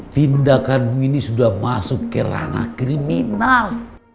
tindakanmu ini sudah masuk ke ranah kriminal